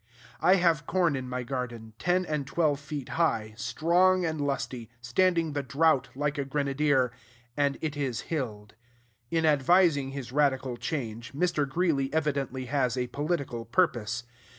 I have corn in my garden, ten and twelve feet high, strong and lusty, standing the drought like a grenadier; and it is hilled. In advising this radical change, Mr. Greeley evidently has a political purpose.